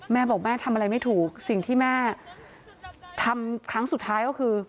แม่บอกแม่ทำอะไรไม่ถูกสิ่งที่แม่ทำครั้งสุดท้ายก็คือ